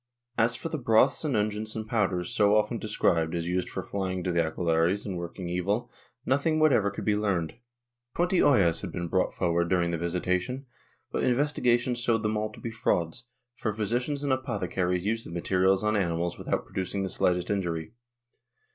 As for the broths and unguents and powders so often described as used for flying to the aquelarres and working evil, nothing whatever could be learned. Twenty ollas had been brought forward during the 232 WITCHCRAFT [Book VIII visitation, but investigation showed them all to be frauds, for physicians and apothecaries used the materials on animals without producing the slightest injury.